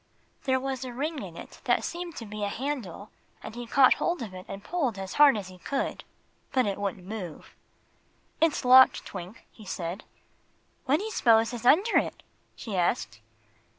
There was a ring in it that seemed to be a handle, and he caught hold of it and pulled as hard as he could. But it wouldn't move. "It's locked, Twink," he said. "What do you'spose is under it?" she asked.